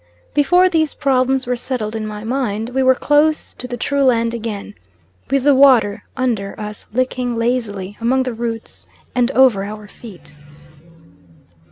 Before these problems were settled in my mind we were close to the true land again, with the water under us licking lazily among the roots and over our feet.